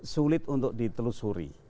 sulit untuk ditelusuri